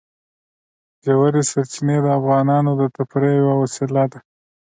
ژورې سرچینې د افغانانو د تفریح یوه وسیله ده.